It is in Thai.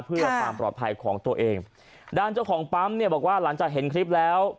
เพื่อความปลอดภัยของตัวเองด้านเจ้าของปั๊มเนี่ยบอกว่าหลังจากเห็นคลิปแล้ว